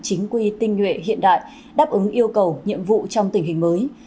chính quy tinh nhuệ hiện đại đáp ứng yêu cầu nhiệm vụ trong tình hình mới